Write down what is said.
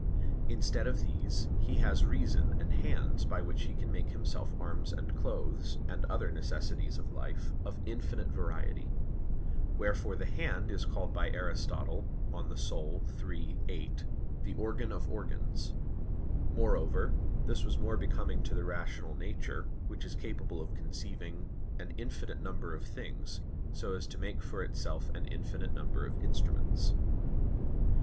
Instead of these, he has reason and hands whereby he can make himself arms and clothes, and other necessaries of life, of infinite variety. Wherefore the hand is called by Aristotle (De Anima iii, 8), "the organ of organs." Moreover this was more becoming to the rational nature, which is capable of conceiving an infinite number of things, so as to make for itself an infinite number of instruments.